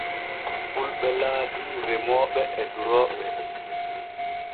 Fulɓe laati remooɓe e durooɓe.